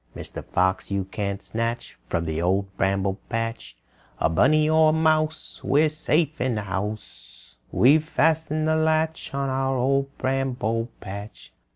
"Mr. Fox, you can't snatch From the Old Bramble Patch A bunny or mouse. We're safe in the house; "We've fastened the latch On our Old Bramble Patch!"